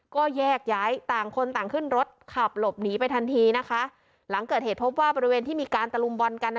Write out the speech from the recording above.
ก็แยกย้ายต่างคนต่างขึ้นรถขับหลบหนีไปทันทีนะคะหลังเกิดเหตุพบว่าบริเวณที่มีการตะลุมบอลกัน